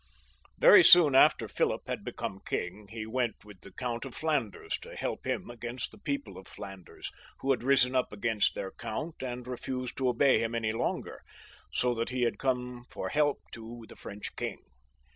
Very soon after Philip had become king, he went with the Count of Flanders to help him against the people of Flanders, who had risen up against their Count, and re fused to obey him any longer, so that he had come for help to the French king.